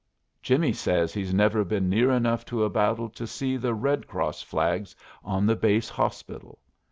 Jimmy says he's never been near enough to a battle to see the red cross flags on the base hospital.